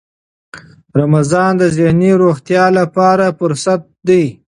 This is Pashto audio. رمضان د ذهني روغتیا لپاره فرصت دی.